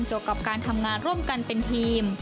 เกี่ยวกับการทำงานร่วมกันเป็นทีม